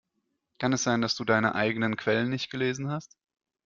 Kann es sein, dass du deine eigenen Quellen nicht gelesen hast?